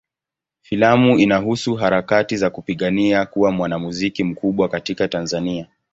Filamu inahusu harakati za kupigania kuwa mwanamuziki mkubwa katika Tanzania.